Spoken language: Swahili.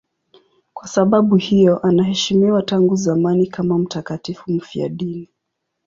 Kwa sababu hiyo anaheshimiwa tangu zamani kama mtakatifu mfiadini.